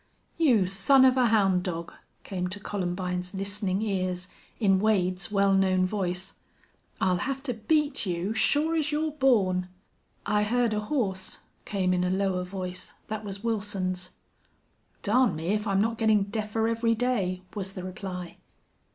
"You son of a hound dog!" came to Columbine's listening ears in Wade's well known voice. "I'll have to beat you sure as you're born." "I heard a horse," came in a lower voice, that was Wilson's. "Darn me if I'm not gettin' deafer every day," was the reply.